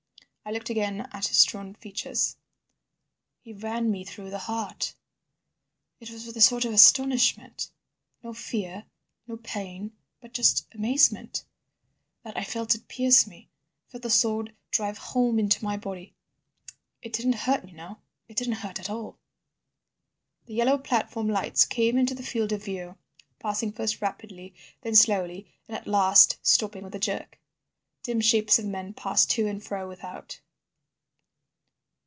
I looked again at his drawn features. "He ran me through the heart. It was with a sort of astonishment—no fear, no pain—but just amazement, that I felt it pierce me, felt the sword drive home into my body. It didn't hurt, you know. It didn't hurt at all." The yellow platform lights came into the field of view, passing first rapidly, then slowly, and at last stopping with a jerk. Dim shapes of men passed to and fro without.